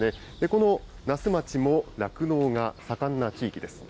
この那須町も酪農が盛んな地域です。